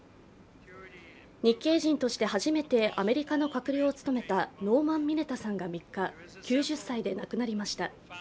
日系人として初めてアメリカの閣僚を務めたノーマン・ミネタさんが３日、９０歳で亡くなりました。